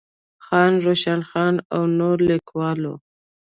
خان روشن خان او نورو ليکوالو